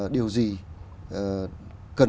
điều gì cần